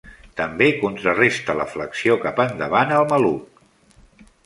També contraresta la flexió cap endavant al maluc.